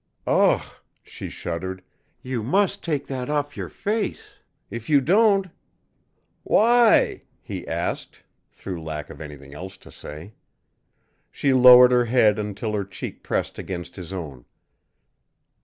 "Ugh!" she shuddered. "You must take that off your face. If you don't " "Why?" he asked, through lack of anything else to say. She lowered her head until her cheek pressed against his own.